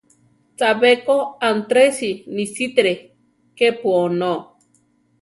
Chabé ko Antresi nisítire kepu onó.